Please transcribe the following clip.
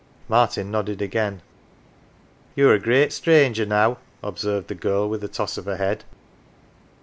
Martin nodded again. "You're a great stranger, now," observed the girl, with a toss of her head.